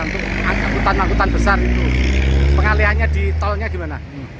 untuk angkutan angkutan besar itu pengalihannya di tolnya gimana